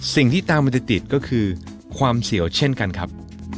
สิ่งที่ตามมาติดก็คือความเฉียวเช่นกันครับ